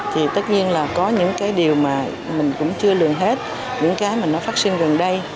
thì tất nhiên là có những cái điều mà mình cũng chưa lường hết những cái mà nó phát sinh gần đây